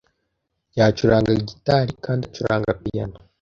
Yacuranga gitari kandi acuranga piyano.